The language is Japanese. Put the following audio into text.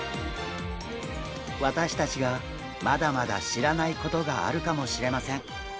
私たちがまだまだ知らないことがあるかもしれません。